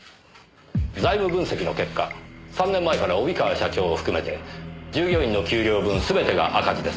財務分析の結果３年前から帯川社長を含めて従業員の給料分すべてが赤字です。